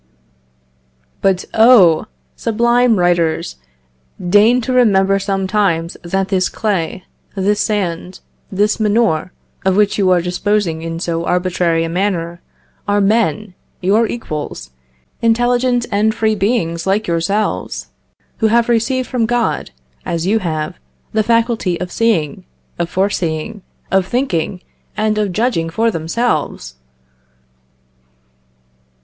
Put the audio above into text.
But, oh! sublime writers, deign to remember sometimes that this clay, this sand, this manure, of which you are disposing in so arbitrary a manner, are men, your equals, intelligent and free beings like yourselves, who have received from God, as you have, the faculty of seeing, of foreseeing, of thinking, and of judging for themselves!